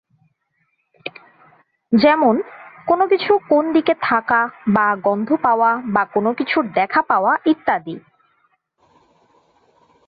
যেমন, কোনো কিছু কোন্ দিকে থাকা, বা গন্ধ পাওয়া, বা কোনো কিছুর দেখা পাওয়া ইত্যাদি।